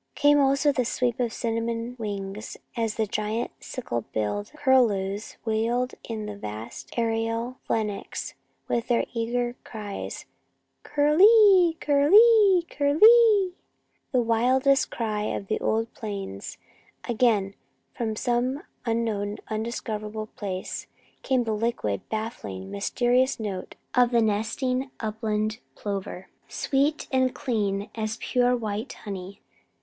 Came also the sweep of cinnamon wings as the giant sickle billed curlews wheeled in vast aerial phalanx, with their eager cries, "Curlee! Curlee! Curlee!" the wildest cry of the old prairies. Again, from some unknown, undiscoverable place, came the liquid, baffling, mysterious note of the nesting upland plover, sweet and clean as pure white honey.